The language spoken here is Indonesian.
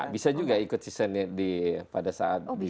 bisa juga ikut seasonnya pada saat di